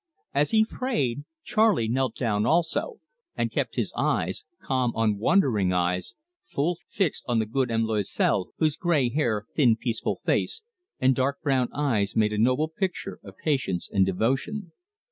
As he prayed, Charley knelt down also, and kept his eyes calm unwondering eyes full fixed on the good M. Loisel, whose grey hair, thin peaceful face, and dark brown eyes made a noble picture of patience and devotion.